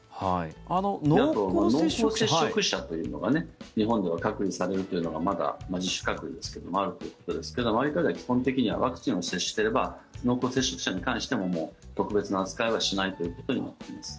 あと、濃厚接触者というのが日本では隔離されるというのがまだ自主隔離ですけどもあるということですけどアメリカでは基本的にはワクチンを接種していれば濃厚接触者に関しても特別な扱いはしないということになっています。